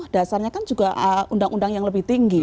dasarnya kan juga undang undang yang lebih tinggi